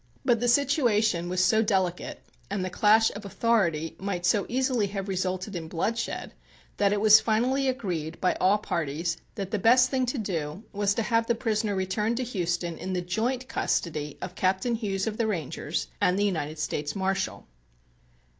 But the situation was so delicate and the clash of authority might so easily have resulted in bloodshed that it was finally agreed by all parties that the best thing to do was to have the prisoner returned to Houston in the joint custody of Captain Hughes of the Rangers and the United States Marshal.